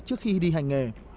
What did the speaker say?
trước khi đi hành nghề